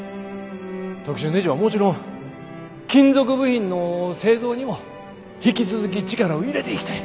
特殊ねじはもちろん金属部品の製造にも引き続き力を入れていきたい。